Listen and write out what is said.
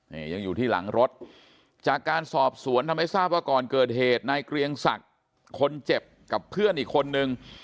นี่ยังอยู่ที่หลังรถจากการสอบสวนทำให้ทราบว่าก่อนเกิดเหตุนายเกรียงศักดิ์คนเจ็บกับเพื่อนอีกคนนึง